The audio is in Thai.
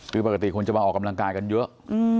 คือปกติคนจะมาออกกำลังกายกันเยอะ